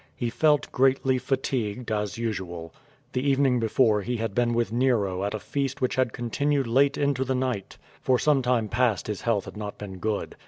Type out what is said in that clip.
He felt greatly fatigued as usual. The evening before he had been with Nero at a feast which had continued late into the night. For some time past his health had not been good.